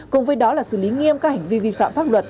cùng với đó là xử lý nghiêm các hành vi vi phạm pháp luật